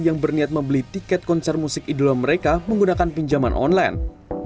yang berniat membeli tiket konser musik idola mereka menggunakan pinjaman online